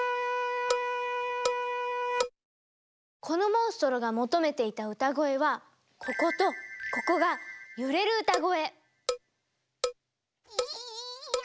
このモンストロが求めていた歌声はこことここが揺れる歌声。